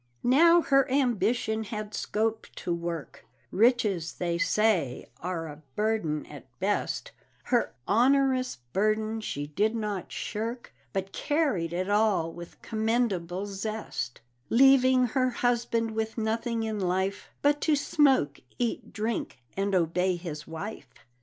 Now her ambition had scope to work Riches, they say, are a burden at best; Her onerous burden she did not shirk, But carried it all with commendable zest; Leaving her husband with nothing in life But to smoke, eat, drink, and obey his wife.